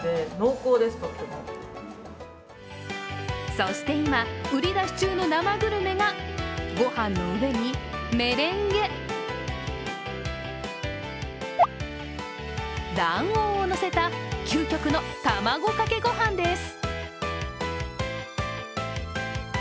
そして今、売り出し中の生グルメがご飯の上にメレンゲ、卵黄をのせた究極の卵かけご飯です。